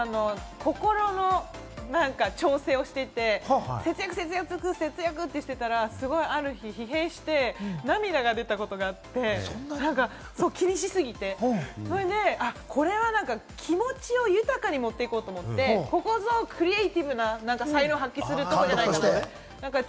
心の調整をしていて節約、節約としていたら、ある日、疲弊して涙が出たことがあって、気にしすぎて、それでこれは気持ちを豊かに持って行こうと思って、ここぞクリエイティブな才能を発揮するところじゃないかと思って。